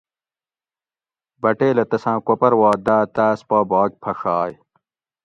بٹیلہ تساۤں کوپۤر وا داۤ تاۤس پا بھاگ پھڛائے